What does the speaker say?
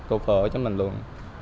và ra một tô phở cho mình luôn